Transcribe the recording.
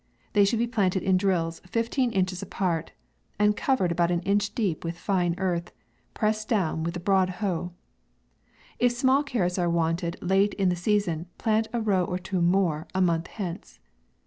They should be planted in drills, fifteen inches apart, and covered about an inch deep with fine earth ; pressed firmly down with the broad hoe. If small carrots are wanted late in the sea son, plant a row or two more, a month hence.